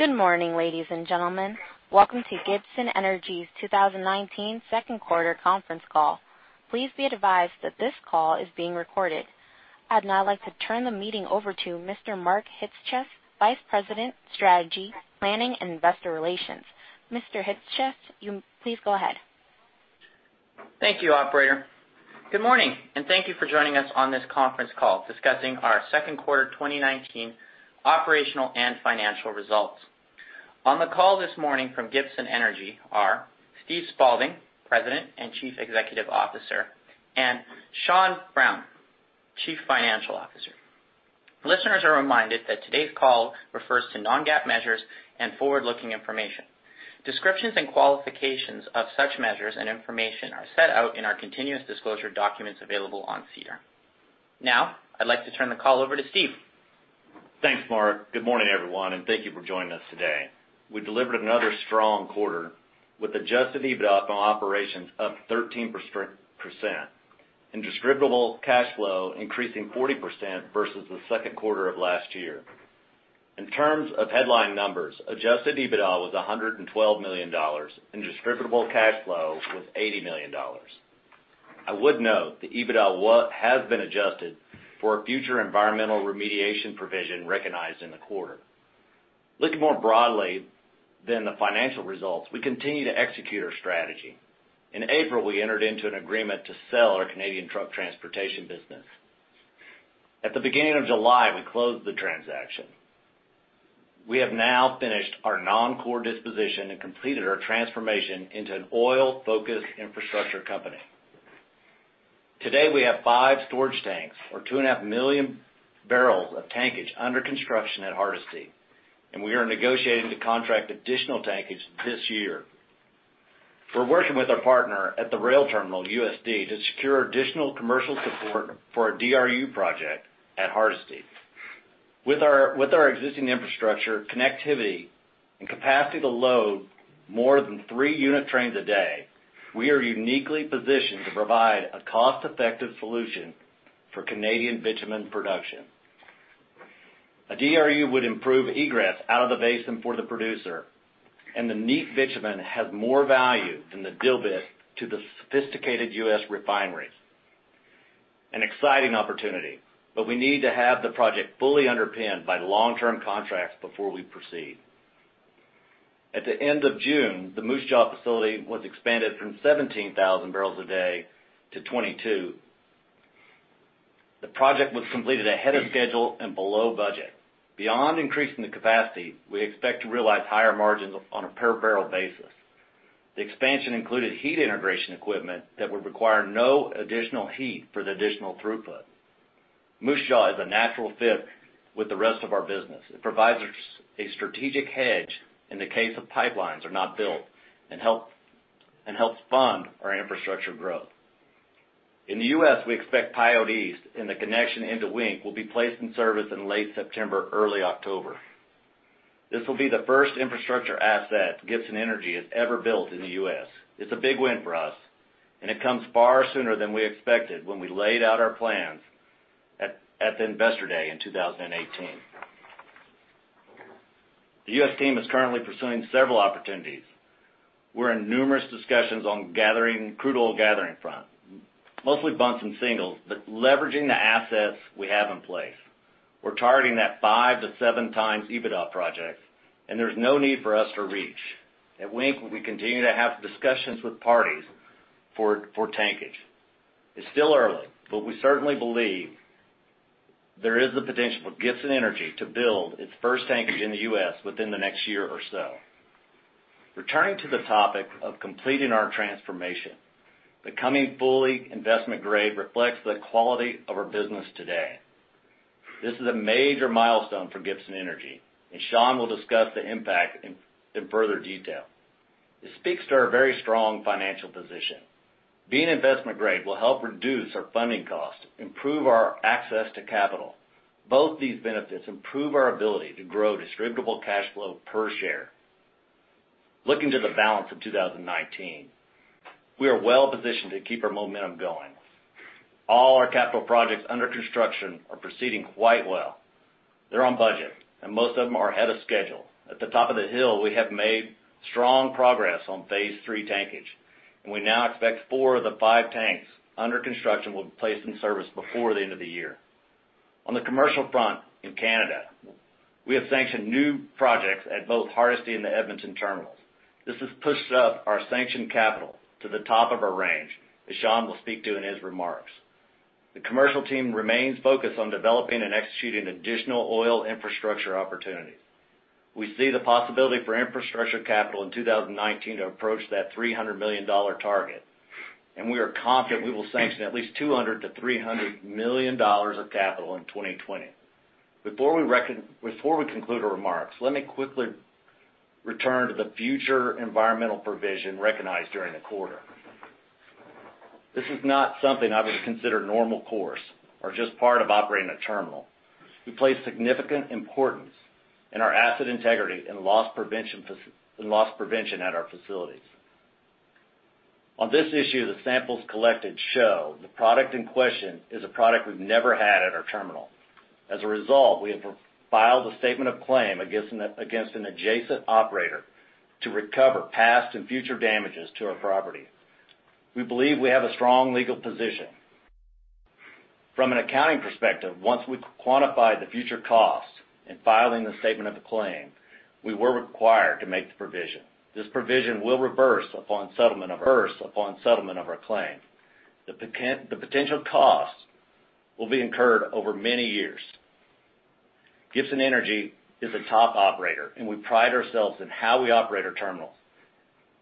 Good morning, ladies and gentlemen. Welcome to Gibson Energy's 2019 second quarter conference call. Please be advised that this call is being recorded. I'd now like to turn the meeting over to Mr. Mark Hitschkes, Vice President, Strategy, Planning, and Investor Relations. Mr. Hitschkes, please go ahead. Thank you, operator. Good morning, thank you for joining us on this conference call discussing our second quarter 2019 operational and financial results. On the call this morning from Gibson Energy are Steve Spaulding, President and Chief Executive Officer, and Sean Brown, Chief Financial Officer. Listeners are reminded that today's call refers to non-GAAP measures and forward-looking information. Descriptions and qualifications of such measures and information are set out in our continuous disclosure documents available on SEDAR. Now, I'd like to turn the call over to Steve. Thanks, Mark. Good morning, everyone, and thank you for joining us today. We delivered another strong quarter with adjusted EBITDA from operations up 13% and distributable cash flow increasing 40% versus the second quarter of last year. In terms of headline numbers, adjusted EBITDA was 112 million dollars and distributable cash flow was 80 million dollars. I would note the EBITDA has been adjusted for a future environmental remediation provision recognized in the quarter. Looking more broadly than the financial results, we continue to execute our strategy. In April, we entered into an agreement to sell our Canadian truck transportation business. At the beginning of July, we closed the transaction. We have now finished our non-core disposition and completed our transformation into an oil-focused infrastructure company. Today, we have five storage tanks or 2.5 million barrels of tankage under construction at Hardisty, and we are negotiating to contract additional tankage this year. We're working with our partner at the rail terminal, USD, to secure additional commercial support for our DRU project at Hardisty. With our existing infrastructure, connectivity and capacity to load more than three unit trains a day, we are uniquely positioned to provide a cost-effective solution for Canadian bitumen production. A DRU would improve egress out of the basin for the producer, and the neat bitumen has more value than the dilbit to the sophisticated U.S. refineries. An exciting opportunity, but we need to have the project fully underpinned by long-term contracts before we proceed. At the end of June, the Moose Jaw facility was expanded from 17,000 barrels a day to 22. The project was completed ahead of schedule and below budget. Beyond increasing the capacity, we expect to realize higher margins on a per-barrel basis. The expansion included heat integration equipment that would require no additional heat for the additional throughput. Moose Jaw is a natural fit with the rest of our business. It provides us a strategic hedge in the case if pipelines are not built and helps fund our infrastructure growth. In the U.S., we expect Pyote East and the connection into Wink will be placed in service in late September, early October. This will be the first infrastructure asset Gibson Energy has ever built in the U.S. It's a big win for us, and it comes far sooner than we expected when we laid out our plans at the Investor Day in 2018. The U.S. team is currently pursuing several opportunities. We're in numerous discussions on crude oil gathering front, mostly bunched in singles, but leveraging the assets we have in place. We're targeting that five to seven times EBITDA projects, and there's no need for us to reach. At Wink, we continue to have discussions with parties for tankage. It's still early, but we certainly believe there is the potential for Gibson Energy to build its first tankage in the U.S. within the next year or so. Returning to the topic of completing our transformation, becoming fully investment-grade reflects the quality of our business today. This is a major milestone for Gibson Energy, and Sean will discuss the impact in further detail. It speaks to our very strong financial position. Being investment-grade will help reduce our funding cost, improve our access to capital. Both these benefits improve our ability to grow distributable cash flow per share. Looking to the balance of 2019, we are well positioned to keep our momentum going. All our capital projects under construction are proceeding quite well. They're on budget, and most of them are ahead of schedule. At the top of the hill, we have made strong progress on phase 3 tankage, and we now expect four of the five tanks under construction will be placed in service before the end of the year. On the commercial front in Canada, we have sanctioned new projects at both Hardisty and the Edmonton terminals. This has pushed up our sanctioned capital to the top of our range, as Sean will speak to in his remarks. The commercial team remains focused on developing and executing additional oil infrastructure opportunities. We see the possibility for infrastructure capital in 2019 to approach that 300 million dollar target, and we are confident we will sanction at least 200 million-300 million dollars of capital in 2020. Before we conclude our remarks, let me quickly return to the future environmental provision recognized during the quarter. This is not something I would consider normal course or just part of operating a terminal. We place significant importance in our asset integrity and loss prevention at our facilities. On this issue, the samples collected show the product in question is a product we've never had at our terminal. As a result, we have filed a statement of claim against an adjacent operator to recover past and future damages to our property. We believe we have a strong legal position. From an accounting perspective, once we quantify the future costs in filing the statement of claim, we were required to make the provision. This provision will reverse upon settlement of our claim. The potential cost will be incurred over many years. Gibson Energy is a top operator, and we pride ourselves in how we operate our terminals.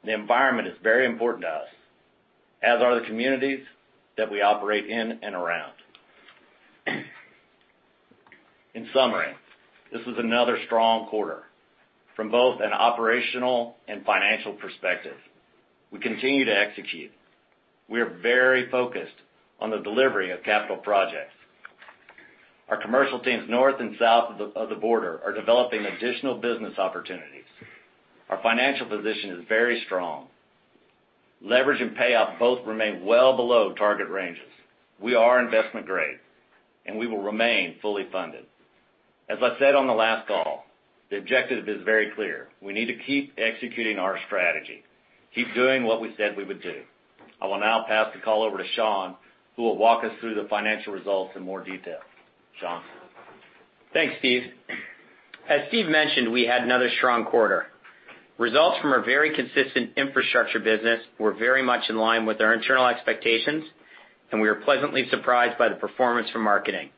The environment is very important to us, as are the communities that we operate in and around. In summary, this is another strong quarter from both an operational and financial perspective. We continue to execute. We are very focused on the delivery of capital projects. Our commercial teams north and south of the border are developing additional business opportunities. Our financial position is very strong. Leverage and payoff both remain well below target ranges. We are investment grade, and we will remain fully funded. As I said on the last call, the objective is very clear. We need to keep executing our strategy, keep doing what we said we would do. I will now pass the call over to Sean, who will walk us through the financial results in more detail. Sean? Thanks, Steve. As Steve mentioned, we had another strong quarter. Results from our very consistent infrastructure business were very much in line with our internal expectations, and we are pleasantly surprised by the performance from marketing.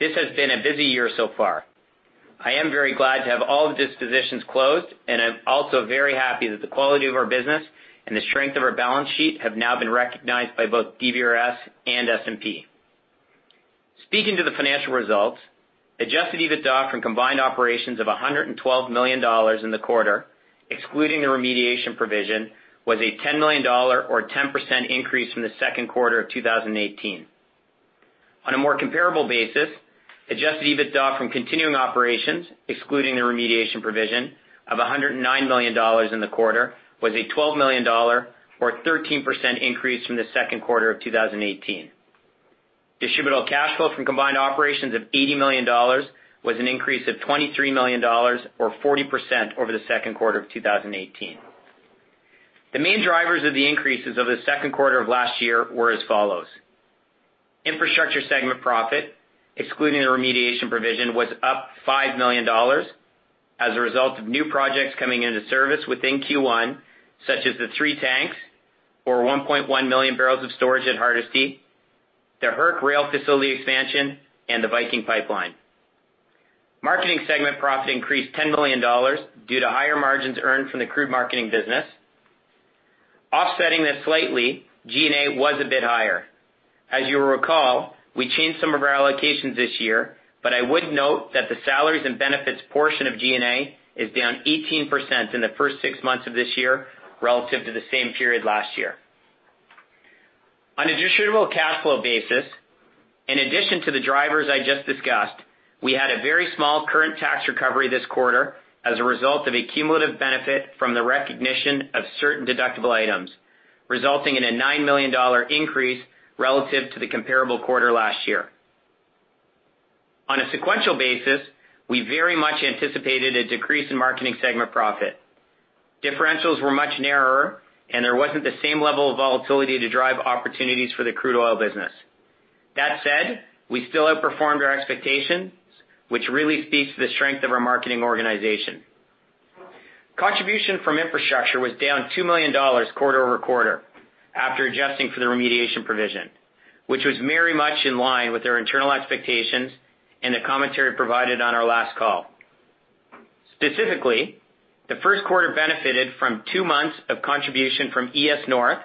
This has been a busy year so far. I am very glad to have all the dispositions closed, and I'm also very happy that the quality of our business and the strength of our balance sheet have now been recognized by both DBRS and S&P. Speaking to the financial results, adjusted EBITDA from combined operations of 112 million dollars in the quarter, excluding the remediation provision, was a 10 million dollar or 10% increase from the second quarter of 2018. On a more comparable basis, adjusted EBITDA from continuing operations, excluding the remediation provision of 109 million dollars in the quarter, was a 12 million dollar or 13% increase from the second quarter of 2018. Distributable cash flow from combined operations of 80 million dollars was an increase of 23 million dollars or 40% over the second quarter of 2018. The main drivers of the increases over the second quarter of last year were as follows. Infrastructure segment profit, excluding the remediation provision, was up 5 million dollars as a result of new projects coming into service within Q1, such as the three tanks or 1.1 million barrels of storage at Hardisty, the Herc rail facility expansion, and the Viking pipeline. Marketing segment profit increased 10 million dollars due to higher margins earned from the crude marketing business. Offsetting this slightly, G&A was a bit higher. As you'll recall, we changed some of our allocations this year, but I would note that the salaries and benefits portion of G&A is down 18% in the first six months of this year relative to the same period last year. On a distributable cash flow basis, in addition to the drivers I just discussed, we had a very small current tax recovery this quarter as a result of a cumulative benefit from the recognition of certain deductible items, resulting in a 9 million dollar increase relative to the comparable quarter last year. On a sequential basis, we very much anticipated a decrease in marketing segment profit. Differentials were much narrower, there wasn't the same level of volatility to drive opportunities for the crude oil business. That said, we still outperformed our expectations, which really speaks to the strength of our marketing organization. Contribution from infrastructure was down 2 million dollars quarter-over-quarter after adjusting for the remediation provision, which was very much in line with our internal expectations and the commentary provided on our last call. Specifically, the first quarter benefited from two months of contribution from ES North,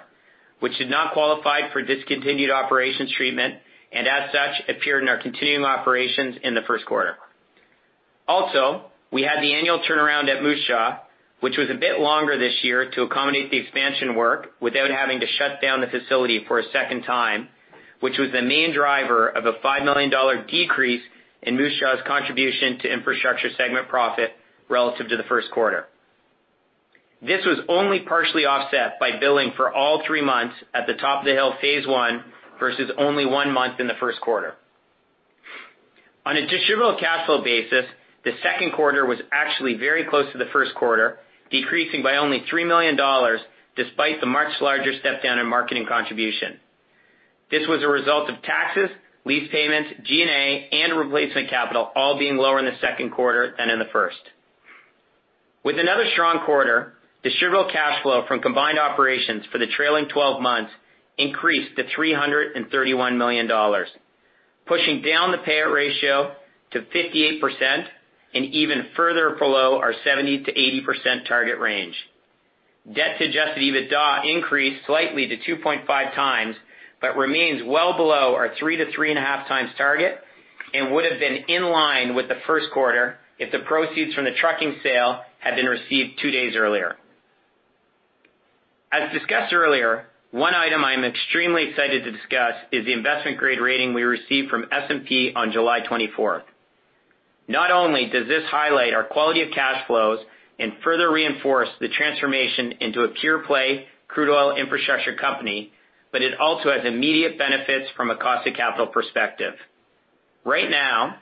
which did not qualify for discontinued operations treatment, and as such, appeared in our continuing operations in the first quarter. We had the annual turnaround at Moose Jaw, which was a bit longer this year to accommodate the expansion work without having to shut down the facility for a second time, which was the main driver of a 5 million dollar decrease in Moose Jaw's contribution to infrastructure segment profit relative to the first quarter. This was only partially offset by billing for all three months at the Poplar Hill phase one, versus only one month in the first quarter. On a distributable cash flow basis, the second quarter was actually very close to the first quarter, decreasing by only 3 million dollars despite the much larger step down in marketing contribution. This was a result of taxes, lease payments, G&A, and replacement capital all being lower in the second quarter than in the first. With another strong quarter, distributable cash flow from combined operations for the trailing 12 months increased to 331 million dollars, pushing down the payout ratio to 58% and even further below our 70%-80% target range. Debt to adjusted EBITDA increased slightly to 2.5 times, but remains well below our 3 to 3.5 times target and would've been in line with the first quarter if the proceeds from the trucking sale had been received two days earlier. As discussed earlier, one item I am extremely excited to discuss is the investment-grade rating we received from S&P on July 24th. Not only does this highlight our quality of cash flows and further reinforce the transformation into a pure-play crude oil infrastructure company, but it also has immediate benefits from a cost of capital perspective. Right now,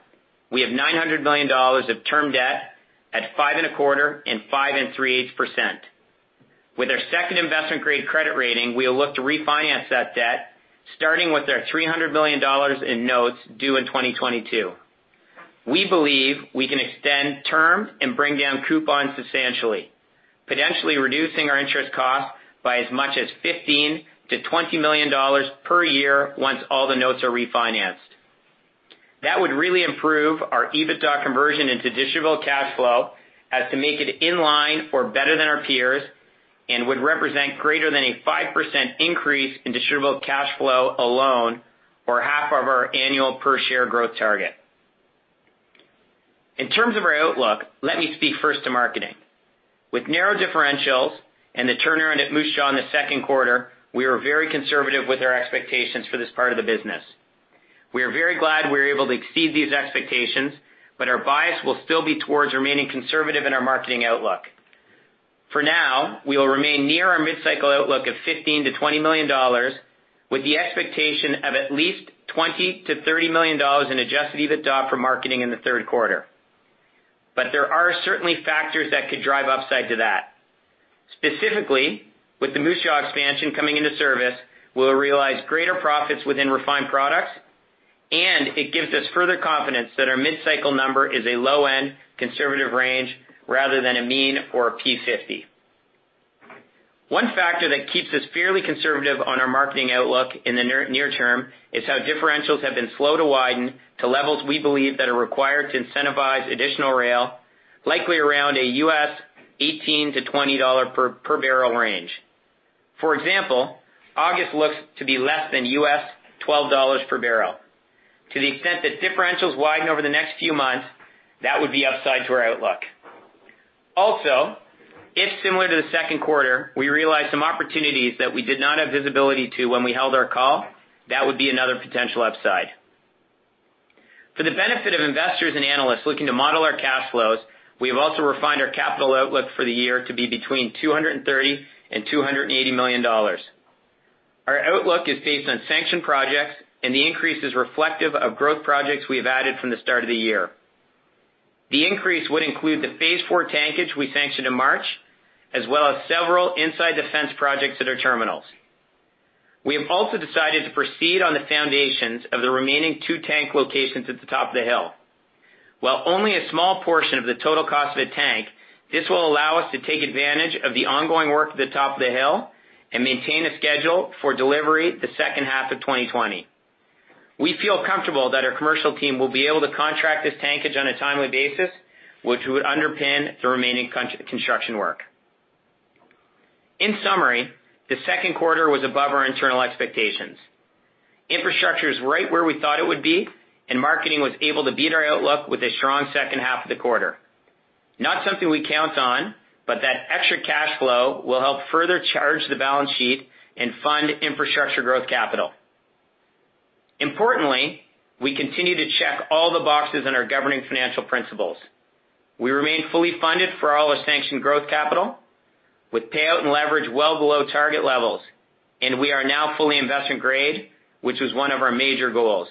we have 900 million dollars of term debt at 5.25% and 5.375%. With our second investment-grade credit rating, we will look to refinance that debt, starting with our 300 million dollars in notes due in 2022. We believe we can extend terms and bring down coupons substantially, potentially reducing our interest costs by as much as 15 million-20 million dollars per year once all the notes are refinanced. That would really improve our EBITDA conversion into distributable cash flow as to make it in line or better than our peers and would represent greater than a 5% increase in distributable cash flow alone or half of our annual per share growth target. In terms of our outlook, let me speak first to marketing. With narrow differentials and the turnaround at Moose Jaw in the second quarter, we were very conservative with our expectations for this part of the business. Our bias will still be towards remaining conservative in our marketing outlook. For now, we will remain near our mid-cycle outlook of 15 million-20 million dollars with the expectation of at least 20 million-30 million dollars in adjusted EBITDA for marketing in the third quarter. There are certainly factors that could drive upside to that. Specifically, with the Moose Jaw expansion coming into service, we'll realize greater profits within refined products. It gives us further confidence that our mid-cycle number is a low-end conservative range rather than a mean or a P50. One factor that keeps us fairly conservative on our marketing outlook in the near term is how differentials have been slow to widen to levels we believe that are required to incentivize additional rail, likely around a US $18-$20 per barrel range. For example, August looks to be less than US $12 per barrel. To the extent that differentials widen over the next few months, that would be upside to our outlook. If similar to the second quarter, we realize some opportunities that we did not have visibility to when we held our call, that would be another potential upside. For the benefit of investors and analysts looking to model our cash flows, we have also refined our capital outlook for the year to be between 230 million and 280 million dollars. Our outlook is based on sanctioned projects, and the increase is reflective of growth projects we have added from the start of the year. The increase would include the phase 4 tankage we sanctioned in March, as well as several inside the fence projects at our terminals. We have also decided to proceed on the foundations of the remaining two tank locations at Poplar Hill. While only a small portion of the total cost of a tank, this will allow us to take advantage of the ongoing work at Poplar Hill and maintain a schedule for delivery the second half of 2020. We feel comfortable that our commercial team will be able to contract this tankage on a timely basis, which would underpin the remaining construction work. In summary, the second quarter was above our internal expectations. Infrastructure is right where we thought it would be. Marketing was able to beat our outlook with a strong second half of the quarter. Not something we count on, that extra cash flow will help further charge the balance sheet and fund infrastructure growth capital. Importantly, we continue to check all the boxes on our governing financial principles. We remain fully funded for all our sanctioned growth capital with payout and leverage well below target levels. We are now fully investment grade, which was one of our major goals.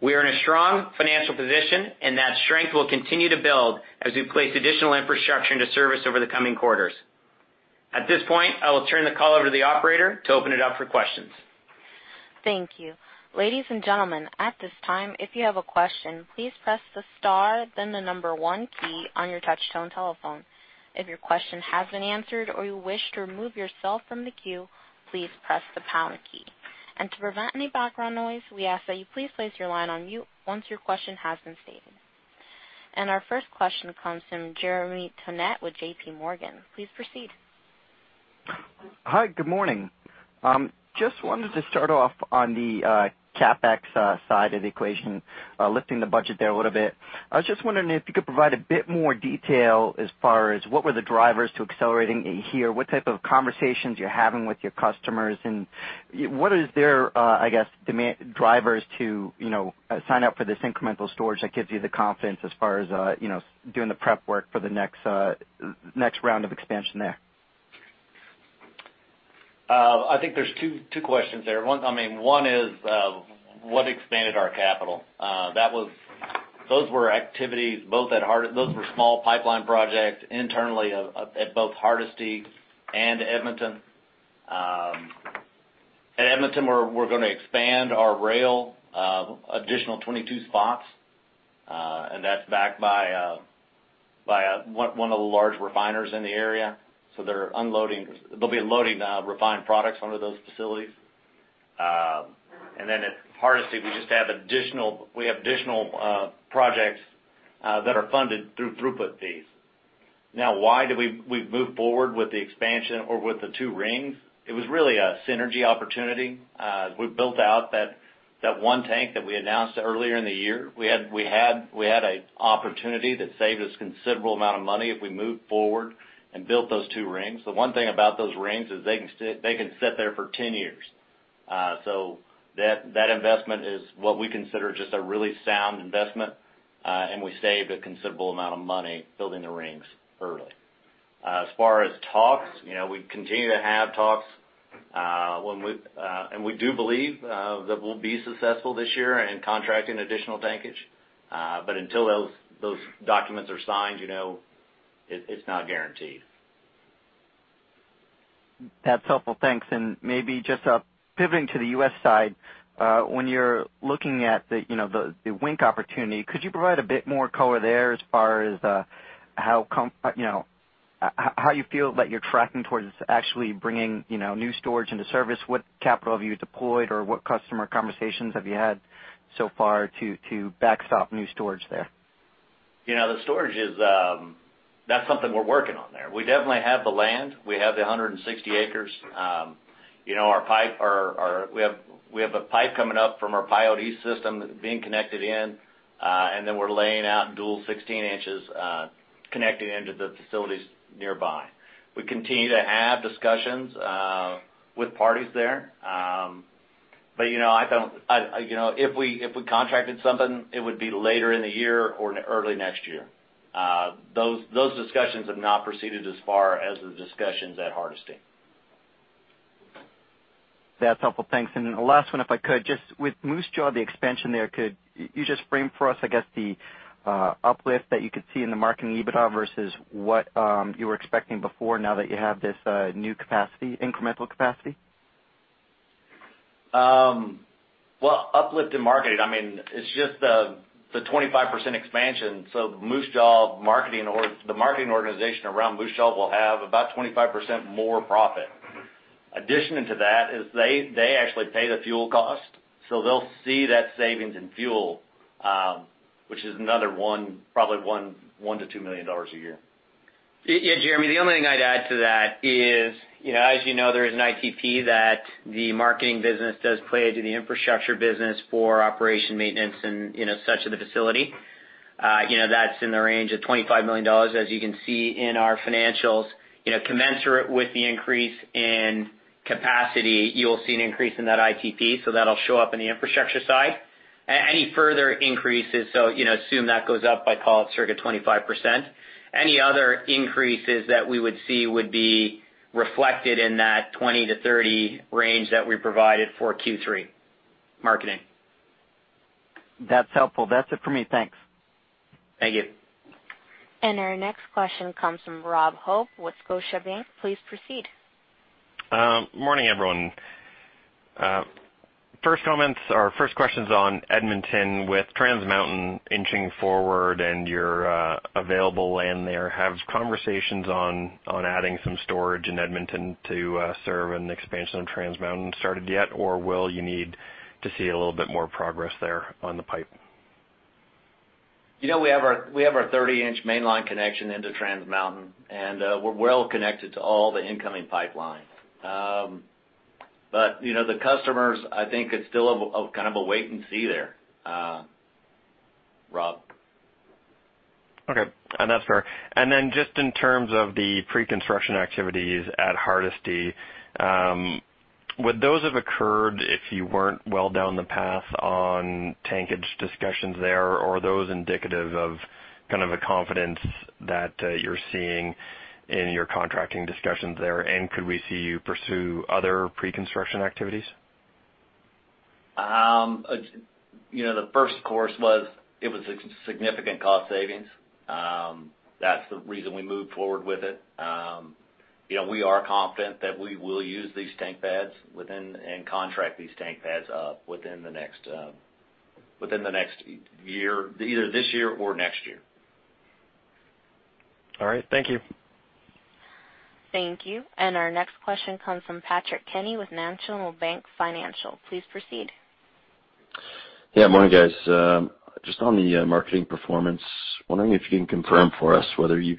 We are in a strong financial position, and that strength will continue to build as we place additional infrastructure into service over the coming quarters. At this point, I will turn the call over to the operator to open it up for questions. Thank you. Ladies and gentlemen, at this time, if you have a question, please press the star, then the number one key on your touch-tone telephone. If your question has been answered or you wish to remove yourself from the queue, please press the pound key. To prevent any background noise, we ask that you please place your line on mute once your question has been stated. Our first question comes from Jeremy Tonet with JPMorgan. Please proceed. Hi. Good morning. Just wanted to start off on the CapEx side of the equation, lifting the budget there a little bit. I was just wondering if you could provide a bit more detail as far as what were the drivers to accelerating it here, what type of conversations you're having with your customers, and what is their, I guess, drivers to sign up for this incremental storage that gives you the confidence as far as doing the prep work for the next round of expansion there? I think there's two questions there. One is, what expanded our capital? Those were small pipeline projects internally at both Hardisty and Edmonton. At Edmonton, we're going to expand our rail additional 22 spots, and that's backed by one of the large refiners in the area. They'll be loading refined products under those facilities. At Hardisty, we have additional projects that are funded through throughput fees. Why did we move forward with the expansion or with the two rings? It was really a synergy opportunity. We built out that one tank that we announced earlier in the year. We had an opportunity that saved us a considerable amount of money if we moved forward and built those two rings. The one thing about those rings is they can sit there for 10 years That investment is what we consider just a really sound investment, and we saved a considerable amount of money building the rings early. As far as talks, we continue to have talks, and we do believe that we'll be successful this year in contracting additional tankage. Until those documents are signed, it's not guaranteed. That's helpful. Thanks. Maybe just pivoting to the U.S. side, when you're looking at the Wink opportunity, could you provide a bit more color there as far as how you feel that you're tracking towards actually bringing new storage into service? What capital have you deployed, or what customer conversations have you had so far to backstop new storage there? The storage, that's something we're working on there. We definitely have the land. We have the 160 acres. We have a pipe coming up from our Pyote East system that's being connected in, and then we're laying out dual 16 inches, connecting into the facilities nearby. We continue to have discussions with parties there. If we contracted something, it would be later in the year or early next year. Those discussions have not proceeded as far as the discussions at Hardisty. That's helpful. Thanks. The last one, if I could, just with Moose Jaw, the expansion there, could you just frame for us, I guess, the uplift that you could see in the marketing EBITDA versus what you were expecting before now that you have this new incremental capacity? Well, uplift in marketing, it's just the 25% expansion. The marketing organization around Moose Jaw will have about 25% more profit. Addition to that is they actually pay the fuel cost, they'll see that savings in fuel, which is another probably 1 million-2 million dollars a year. Jeremy, the only thing I'd add to that is, as you know, there is an ITP that the marketing business does play to the infrastructure business for operation maintenance and such of the facility. That's in the range of 25 million dollars, as you can see in our financials. Commensurate with the increase in capacity, you'll see an increase in that ITP. That'll show up in the infrastructure side. Any further increases, so assume that goes up by call it circa 25%. Any other increases that we would see would be reflected in that 20-30 range that we provided for Q3 marketing. That's helpful. That's it for me. Thanks. Thank you. Our next question comes from Robert Hope with Scotiabank. Please proceed. Morning, everyone. First question's on Edmonton. With Trans Mountain inching forward and your available land there, have conversations on adding some storage in Edmonton to serve an expansion of Trans Mountain started yet, or will you need to see a little bit more progress there on the pipe? We have our 30-inch mainline connection into Trans Mountain, and we're well connected to all the incoming pipelines. The customers, I think it's still a kind of a wait and see there, Rob. Okay. That's fair. Then just in terms of the pre-construction activities at Hardisty, would those have occurred if you weren't well down the path on tankage discussions there, or are those indicative of kind of a confidence that you're seeing in your contracting discussions there? Could we see you pursue other pre-construction activities? The first course was a significant cost savings. That's the reason we moved forward with it. We are confident that we will use these tank beds and contract these tank beds up within the next year, either this year or next year. All right. Thank you. Thank you. Our next question comes from Patrick Kenny with National Bank Financial. Please proceed. Yeah. Morning, guys. Just on the marketing performance, wondering if you can confirm for us whether you've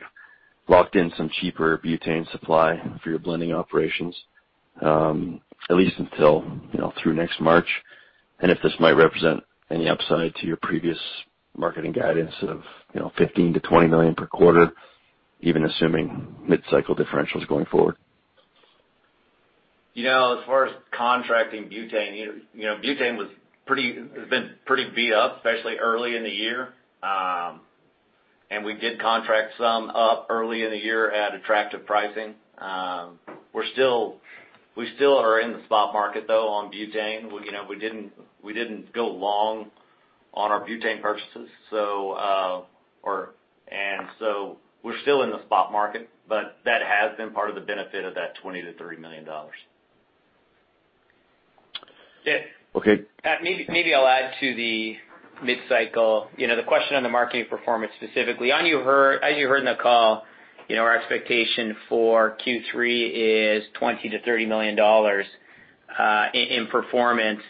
locked in some cheaper butane supply for your blending operations, at least until through next March, and if this might represent any upside to your previous marketing guidance of 15 million-20 million per quarter, even assuming mid-cycle differentials going forward. As far as contracting butane has been pretty beat up, especially early in the year. We did contract some up early in the year at attractive pricing. We still are in the spot market, though, on butane. We didn't go long on our butane purchases. We're still in the spot market, but that has been part of the benefit of that 20 million to 30 million dollars. Okay. Maybe I'll add to the mid-cycle. The question on the marketing performance specifically, as you heard on the call, our expectation for Q3 is 20 million-30 million dollars in performance.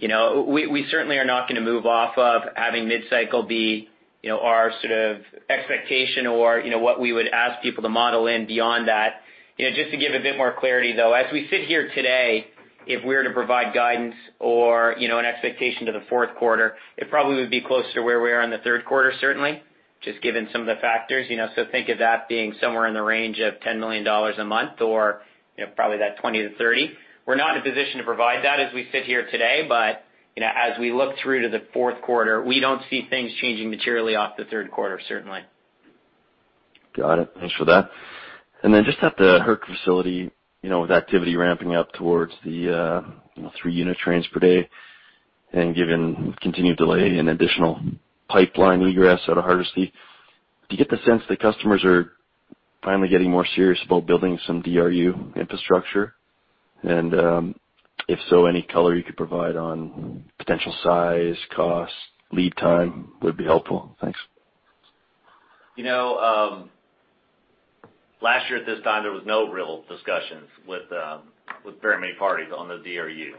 We certainly are not going to move off of having mid-cycle be our sort of expectation or what we would ask people to model in beyond that. Just to give a bit more clarity, though, as we sit here today, if we were to provide guidance or an expectation to the fourth quarter, it probably would be closer to where we are in the third quarter, certainly. Just given some of the factors. Think of that being somewhere in the range of 10 million dollars a month, or probably that 20-30. We're not in a position to provide that as we sit here today, but as we look through to the fourth quarter, we don't see things changing materially off the third quarter, certainly. Got it. Thanks for that. Just at the Hardisty facility, with activity ramping up towards the three-unit trains per day, and given continued delay in additional pipeline egress out of Hardisty, do you get the sense that customers are finally getting more serious about building some DRU infrastructure? If so, any color you could provide on potential size, cost, lead time would be helpful. Thanks. Last year at this time, there was no real discussions with very many parties on the DRU.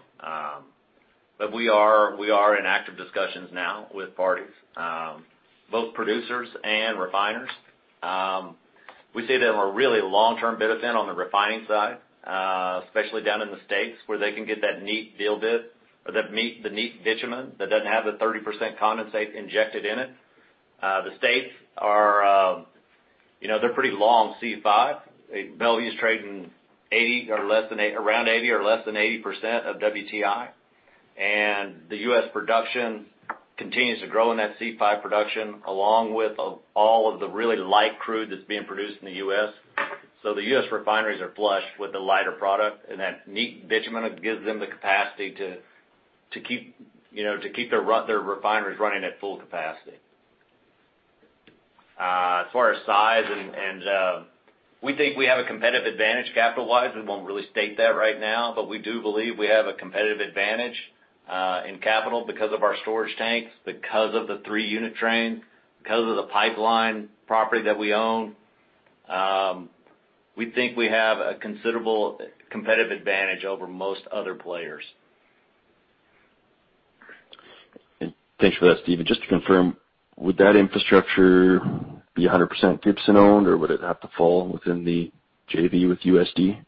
We are in active discussions now with parties, both producers and refiners. We see that on a really long-term benefit on the refining side, especially down in the U.S. where they can get that neat dilbit or the neat bitumen that doesn't have the 30% condensate injected in it. The U.S. are pretty long C5. WTI is trading around 80% or less than 80% of WTI. The U.S. production continues to grow in that C5 production, along with all of the really light crude that's being produced in the U.S. The U.S. refineries are flush with the lighter product, and that neat bitumen gives them the capacity to keep their refineries running at full capacity. As far as size, we think we have a competitive advantage capital-wise. We won't really state that right now, but we do believe we have a competitive advantage in capital because of our storage tanks, because of the three-unit train, because of the pipeline property that we own. We think we have a considerable competitive advantage over most other players. Thanks for that, Steve. Just to confirm, would that infrastructure be 100% Gibson-owned, or would it have to fall within the JV with USD?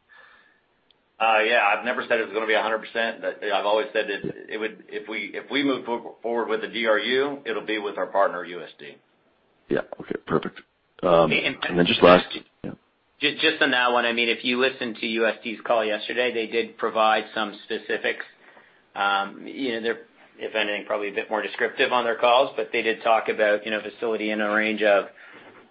Yeah. I've never said it was going to be 100%, but I've always said that if we move forward with the DRU, it'll be with our partner, USD. Yeah. Okay, perfect. Just on that one, if you listened to USD's call yesterday, they did provide some specifics. If anything, probably a bit more descriptive on their calls, but they did talk about a facility in a range of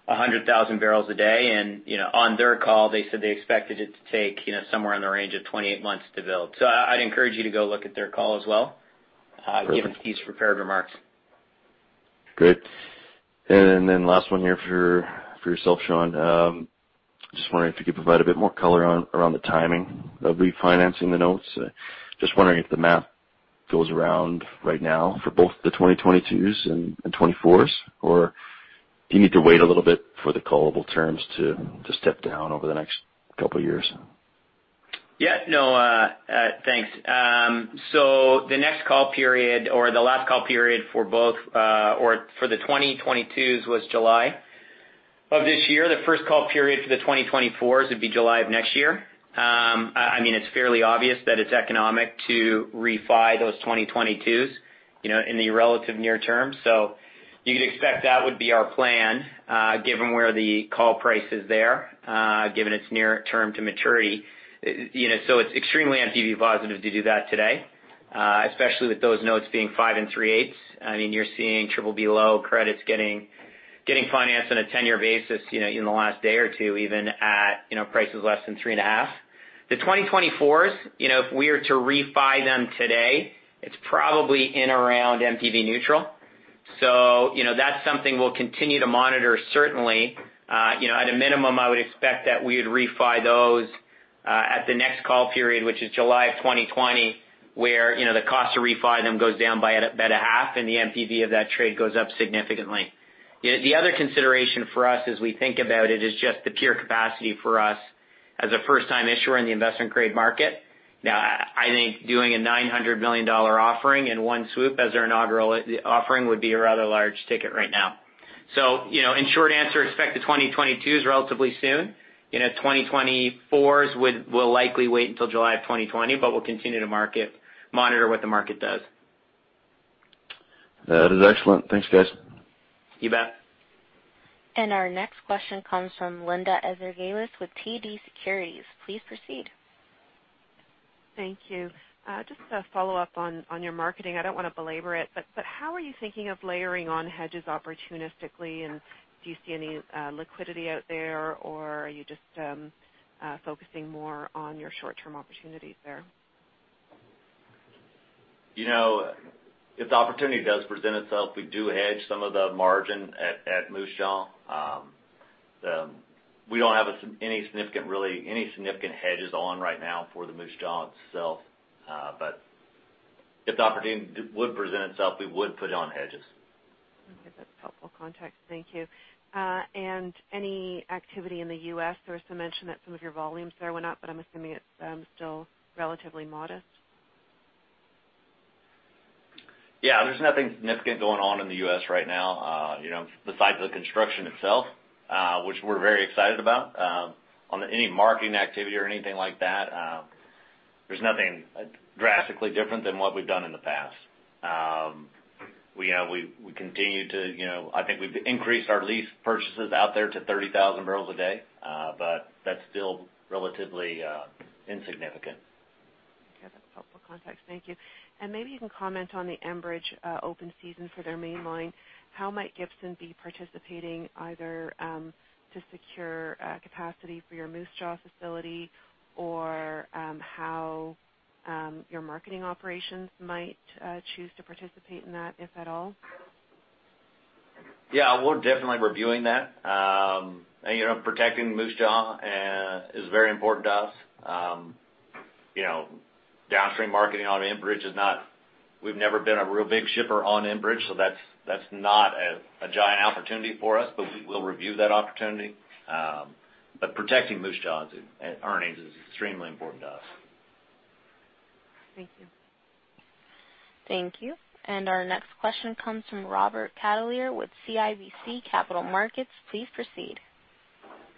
100,000 barrels a day. On their call, they said they expected it to take somewhere in the range of 28 months to build. I'd encourage you to go look at their call as well. Perfect given these prepared remarks. Great. Last one here for yourself, Sean. Just wondering if you could provide a bit more color around the timing of refinancing the notes. Just wondering if the math goes around right now for both the 2022s and 2024s, or do you need to wait a little bit for the callable terms to step down over the next couple of years? Yeah. No. Thanks. The next call period or the last call period for the 2022s was July of this year. The first call period for the 2024s would be July of next year. It's fairly obvious that it's economic to refi those 2022s in the relative near term. You could expect that would be our plan, given where the call price is there, given its near term to maturity. It's extremely NPV positive to do that today, especially with those notes being 5 3/8. You're seeing triple B low credits getting financed on a 10-year basis in the last day or two, even at prices less than 3.5. The 2024s, if we are to refi them today, it's probably in around NPV neutral. That's something we'll continue to monitor, certainly. At a minimum, I would expect that we would refi those at the next call period, which is July of 2020, where the cost to refi them goes down by about a half and the NPV of that trade goes up significantly. The other consideration for us as we think about it is just the pure capacity for us as a first-time issuer in the investment-grade market. I think doing a 900 million dollar offering in one swoop as our inaugural offering would be a rather large ticket right now. In short answer, expect the 2022s relatively soon. 2024s, we'll likely wait until July 2020, but we'll continue to monitor what the market does. That is excellent. Thanks, guys. You bet. Our next question comes from Linda Ezergailis with TD Securities. Please proceed. Thank you. Just a follow-up on your marketing. I don't want to belabor it, but how are you thinking of layering on hedges opportunistically, and do you see any liquidity out there, or are you just focusing more on your short-term opportunities there? If the opportunity does present itself, we do hedge some of the margin at Moose Jaw. We don't have any significant hedges on right now for the Moose Jaw itself. If the opportunity would present itself, we would put on hedges. Okay. That's helpful context. Thank you. Any activity in the U.S.? There was some mention that some of your volumes there went up, but I'm assuming it's still relatively modest. Yeah, there's nothing significant going on in the U.S. right now besides the construction itself, which we're very excited about. On any marketing activity or anything like that, there's nothing drastically different than what we've done in the past. I think we've increased our lease purchases out there to 30,000 barrels a day. That's still relatively insignificant. Okay. That's helpful context. Thank you. Maybe you can comment on the Enbridge open season for their mainline. How might Gibson be participating either to secure capacity for your Moose Jaw facility or how your marketing operations might choose to participate in that, if at all? Yeah. We're definitely reviewing that. Protecting Moose Jaw is very important to us. Downstream marketing on Enbridge, we've never been a real big shipper on Enbridge, that's not a giant opportunity for us, we will review that opportunity. Protecting Moose Jaw's earnings is extremely important to us. Thank you. Thank you. Our next question comes from Robert Catellier with CIBC Capital Markets. Please proceed.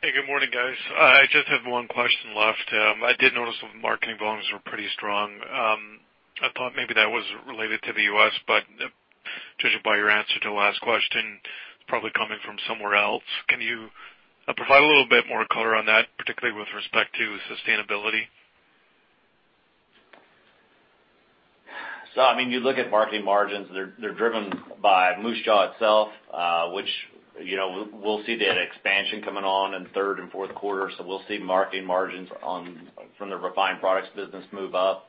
Hey, good morning, guys. I just have one question left. I did notice the marketing volumes were pretty strong. I thought maybe that was related to the U.S., but judging by your answer to the last question, it's probably coming from somewhere else. Can you provide a little bit more color on that, particularly with respect to sustainability? You look at marketing margins. They're driven by Moose Jaw itself, which we'll see that expansion coming on in third and fourth quarter. We'll see marketing margins from the refined products business move up.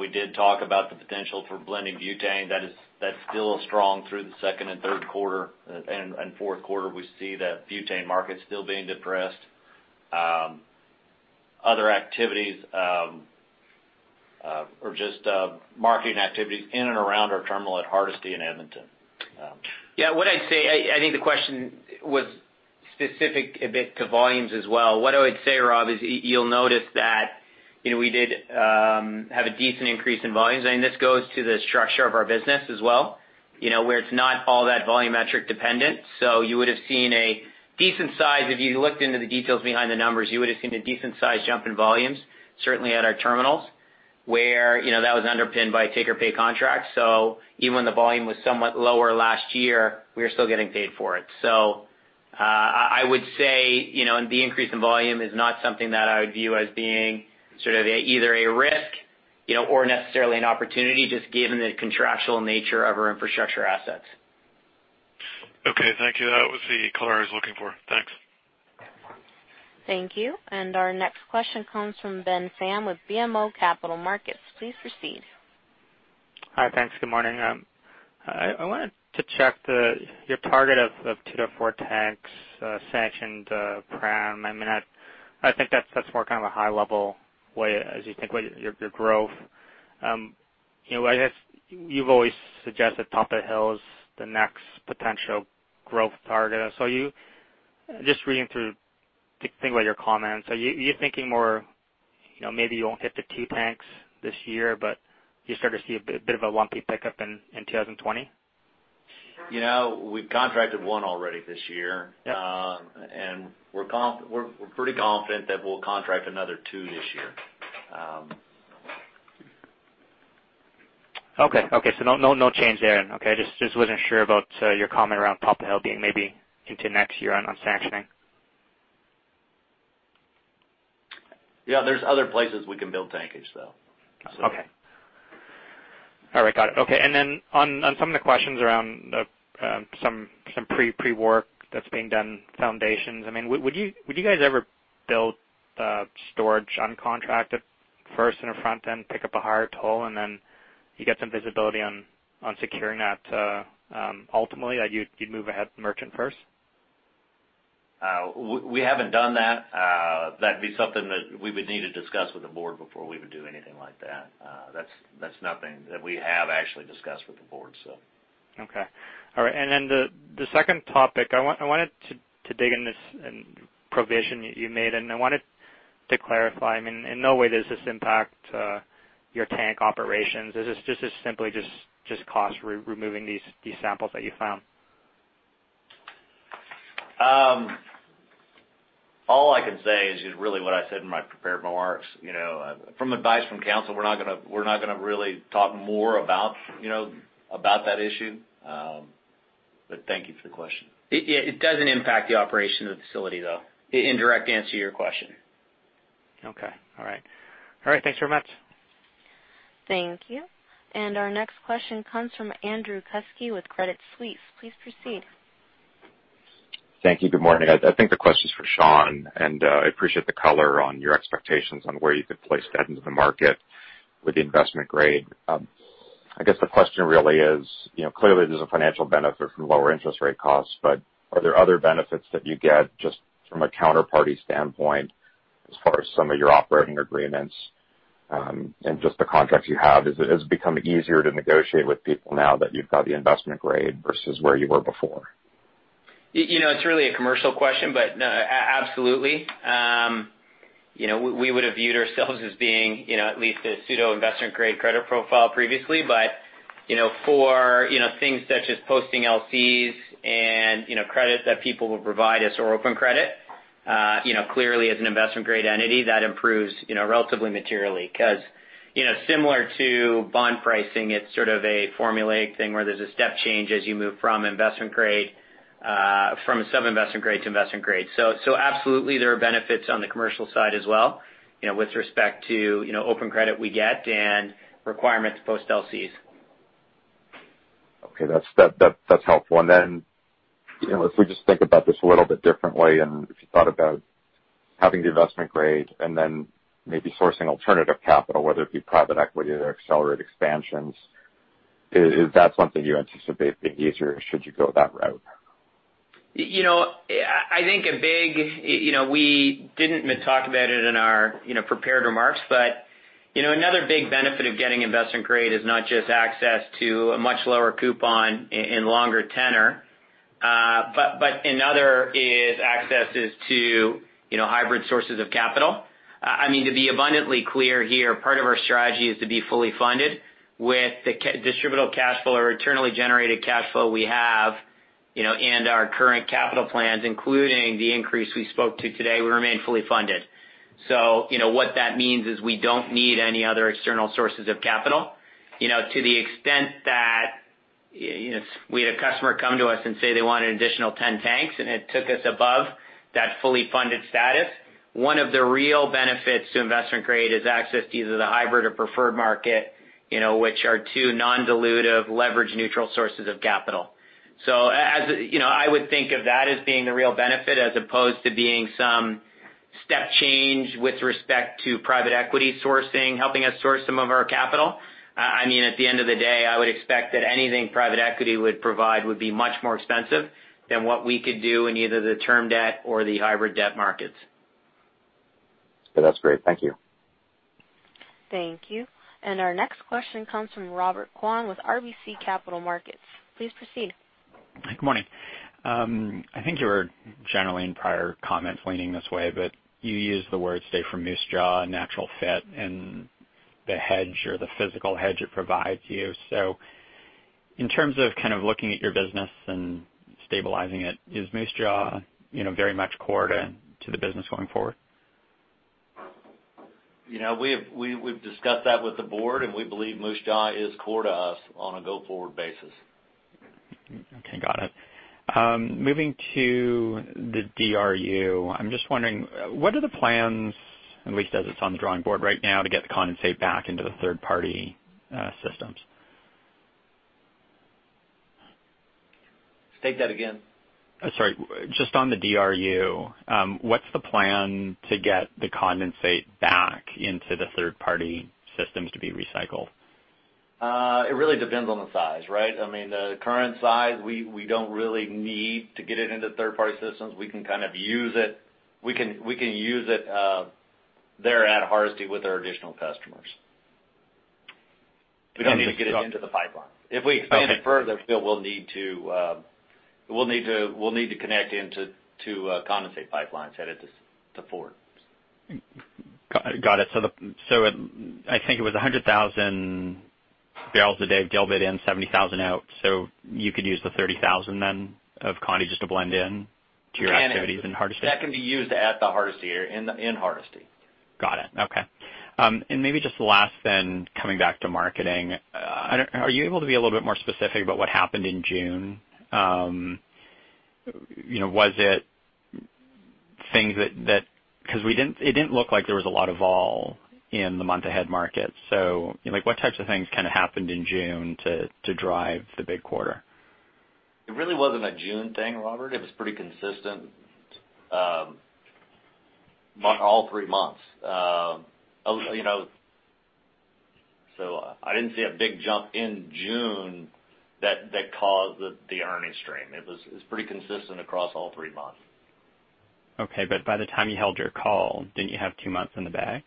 We did talk about the potential for blending butane. That's still strong through the second and third quarter, and fourth quarter, we see the butane market still being depressed. Other activities are just marketing activities in and around our terminal at Hardisty in Edmonton. Yeah. I think the question was specific a bit to volumes as well. What I would say, Rob, is you'll notice that we did have a decent increase in volumes, and this goes to the structure of our business as well, where it's not all that volumetric dependent. If you looked into the details behind the numbers, you would've seen a decent size jump in volumes, certainly at our terminals, where that was underpinned by take-or-pay contracts. Even when the volume was somewhat lower last year, we were still getting paid for it. I would say, the increase in volume is not something that I would view as being either a risk or necessarily an opportunity, just given the contractual nature of our infrastructure assets. Okay, thank you. That was the color I was looking for. Thanks. Thank you. Our next question comes from Ben Pham with BMO Capital Markets. Please proceed. Hi. Thanks. Good morning. I wanted to check your target of two to four tanks sanctioned, per annum. I think that's more kind of a high level way as you think about your growth. I guess you've always suggested Poplar Hill is the next potential growth target. I was just reading through, thinking about your comments. Are you thinking more maybe you won't hit the two tanks this year, but you start to see a bit of a lumpy pickup in 2020? We've contracted one already this year. Yep. We're pretty confident that we'll contract another two this year. No change there then. Just wasn't sure about your comment around Poplar Hill being maybe into next year on sanctioning. Yeah. There's other places we can build tankage, though. Okay. All right. Got it. Okay. Then on some of the questions around some pre-work that's being done, foundations. Would you guys ever build storage on contract at first in the front end, pick up a higher toll, and then you get some visibility on securing that ultimately, that you'd move ahead with the merchant first? We haven't done that. That'd be something that we would need to discuss with the board before we would do anything like that. That's nothing that we have actually discussed with the board, so. Okay. All right. The second topic, I wanted to dig in this provision that you made, and I wanted to clarify. In no way does this impact your tank operations? Is this just simply just cost removing these samples that you found? All I can say is just really what I said in my prepared remarks. From advice from counsel, we're not gonna really talk more about that issue. Thank you for the question. It doesn't impact the operation of the facility, though. The indirect answer to your question. Okay. All right. All right. Thanks very much. Thank you. Our next question comes from Andrew Kuske with Credit Suisse. Please proceed. Thank you. Good morning. I think the question's for Sean, and I appreciate the color on your expectations on where you could place debt into the market with the investment grade. I guess the question really is, clearly there's a financial benefit from lower interest rate costs, but are there other benefits that you get just from a counterparty standpoint as far as some of your operating agreements, and just the contracts you have? Has it become easier to negotiate with people now that you've got the investment grade versus where you were before? It's really a commercial question. Absolutely. We would've viewed ourselves as being at least a pseudo investment-grade credit profile previously. For things such as posting LCs and credit that people will provide us for open credit, clearly as an investment-grade entity, that improves relatively materially because similar to bond pricing, it's sort of a formulaic thing where there's a step change as you move from sub-investment-grade to investment-grade. Absolutely, there are benefits on the commercial side as well, with respect to open credit we get and requirements to post LCs. Okay. That's helpful. If we just think about this a little bit differently, and if you thought about having the investment grade and then maybe sourcing alternative capital, whether it be private equity to accelerate expansions, is that something you anticipate being easier should you go that route? We didn't talk about it in our prepared remarks, another big benefit of getting investment grade is not just access to a much lower coupon and longer tenor. Another is access to hybrid sources of capital. To be abundantly clear here, part of our strategy is to be fully funded with the distributable cash flow or internally generated cash flow we have and our current capital plans, including the increase we spoke to today, we remain fully funded. What that means is we don't need any other external sources of capital. To the extent that we had a customer come to us and say they want an additional 10 tanks, and it took us above that fully funded status. One of the real benefits to investment grade is access to either the hybrid or preferred market, which are two non-dilutive leverage neutral sources of capital. I would think of that as being the real benefit as opposed to being some step change with respect to private equity sourcing, helping us source some of our capital. At the end of the day, I would expect that anything private equity would provide would be much more expensive than what we could do in either the term debt or the hybrid debt markets. That's great. Thank you. Thank you. Our next question comes from Robert Kwan with RBC Capital Markets. Please proceed. Good morning. I think you were generally in prior comments leaning this way, but you used the words say from Moose Jaw, natural fit in the hedge or the physical hedge it provides you. In terms of looking at your business and stabilizing it, is Moose Jaw very much core to the business going forward? We've discussed that with the board, and we believe Moose Jaw is core to us on a go-forward basis. Okay, got it. Moving to the DRU. I'm just wondering, what are the plans, at least as it's on the drawing board right now, to get the condensate back into the third-party systems? State that again. Sorry. Just on the DRU. What's the plan to get the condensate back into the third-party systems to be recycled? It really depends on the size, right? The current size, we don't really need to get it into third-party systems. We can use it there at Hardisty with our additional customers. We don't need to get it into the pipeline. If we expand it further, still we'll need to connect into condensate pipelines headed to port. Got it. I think it was 100,000 barrels a day dilbit in, 70,000 out. You could use the 30,000 then of condensate just to blend in to your activities in Hardisty. That can be used at the Hardisty area, in Hardisty. Got it. Okay. Maybe just last then coming back to marketing. Are you able to be a little bit more specific about what happened in June? Because it didn't look like there was a lot of vol in the month-ahead market. What types of things happened in June to drive the big quarter? It really wasn't a June thing, Robert. It was pretty consistent all three months. I didn't see a big jump in June that caused the earnings stream. It was pretty consistent across all three months. Okay. By the time you held your call, didn't you have two months in the bag,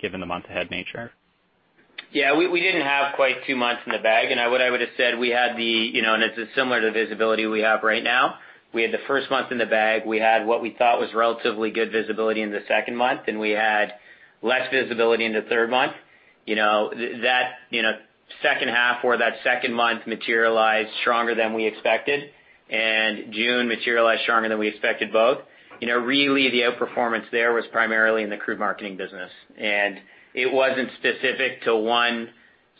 given the month-ahead nature? Yeah, we didn't have quite two months in the bag. What I would have said we had the and it's similar to visibility we have right now. We had the first month in the bag. We had what we thought was relatively good visibility in the second month. We had less visibility in the third month. That second half or that second month materialized stronger than we expected. June materialized stronger than we expected both. Really the outperformance there was primarily in the crude marketing business. It wasn't specific to one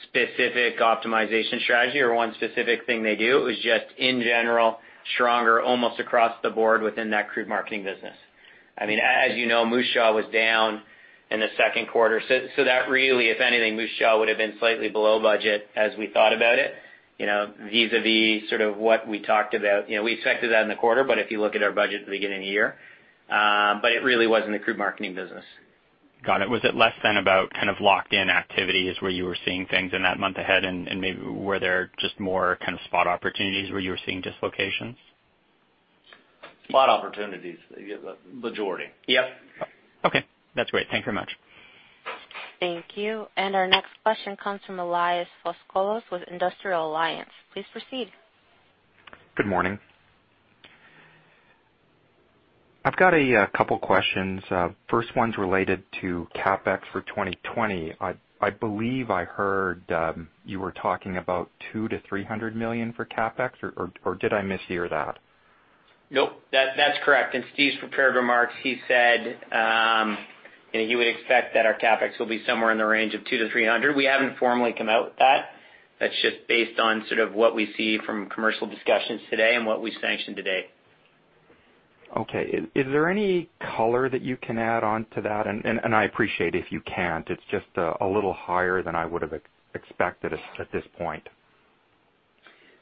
specific optimization strategy or one specific thing they do. It was just in general, stronger almost across the board within that crude marketing business. As you know, Moose Jaw was down in the second quarter. That really, if anything, Moose Jaw would have been slightly below budget as we thought about it, vis-a-vis sort of what we talked about. We expected that in the quarter, but if you look at our budget at the beginning of the year. It really was in the crude marketing business. Got it. Was it less than about kind of locked-in activities where you were seeing things in that month ahead and maybe were there just more kind of spot opportunities where you were seeing dislocations? Spot opportunities, majority. Yep. Okay. That's great. Thank you very much. Thank you. Our next question comes from Elias Phoskolos with Industrial Alliance. Please proceed. Good morning. I've got a couple questions. First one's related to CapEx for 2020. I believe I heard you were talking about two to 300 million for CapEx, or did I mishear that? Nope, that's correct. In Steve's prepared remarks, he said he would expect that our CapEx will be somewhere in the range of 2-300. We haven't formally come out with that. That's just based on sort of what we see from commercial discussions today and what we've sanctioned to date. Okay, is there any color that you can add onto that? I appreciate if you can't, it's just a little higher than I would've expected at this point.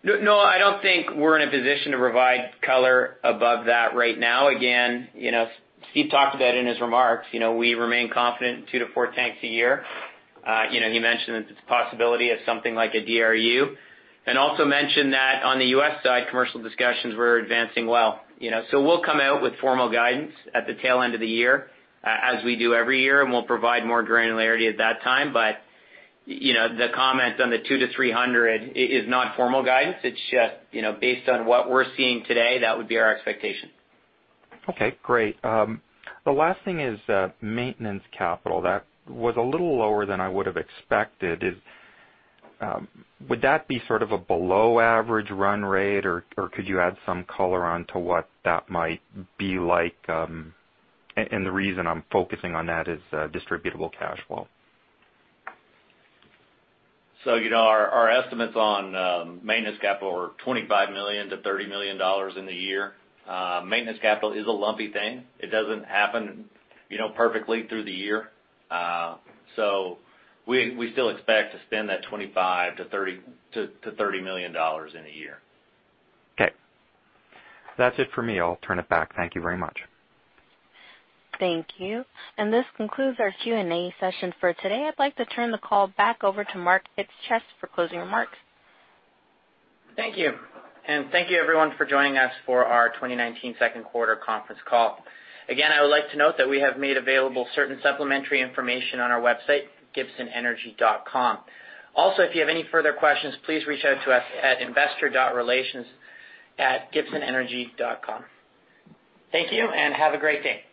No, I don't think we're in a position to provide color above that right now. Again, Steve talked about in his remarks, we remain confident in two to four tanks a year. He mentioned the possibility of something like a DRU, and also mentioned that on the U.S. side, commercial discussions were advancing well. We'll come out with formal guidance at the tail end of the year, as we do every year, and we'll provide more granularity at that time. The comment on the two to 300 is not formal guidance. It's just based on what we're seeing today, that would be our expectation. Okay, great. The last thing is maintenance capital. That was a little lower than I would've expected. Would that be sort of a below average run rate or could you add some color onto what that might be like? The reason I'm focusing on that is distributable cash flow. Our estimates on maintenance capital were 25 million-30 million dollars in the year. Maintenance capital is a lumpy thing. It doesn't happen perfectly through the year. We still expect to spend that 25 million-30 million dollars in a year. Okay. That's it for me. I'll turn it back. Thank you very much. Thank you. This concludes our Q&A session for today. I'd like to turn the call back over to Mark Hitschkes for closing remarks. Thank you. Thank you everyone for joining us for our 2019 second quarter conference call. Again, I would like to note that we have made available certain supplementary information on our website, gibsonenergy.com. If you have any further questions, please reach out to us at investor.relations@gibsonenergy.com. Thank you, and have a great day.